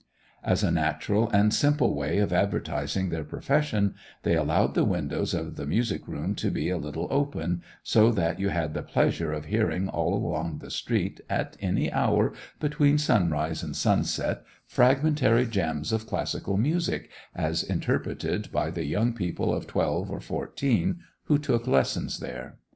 As a natural and simple way of advertising their profession they allowed the windows of the music room to be a little open, so that you had the pleasure of hearing all along the street at any hour between sunrise and sunset fragmentary gems of classical music as interpreted by the young people of twelve or fourteen who took lessons there.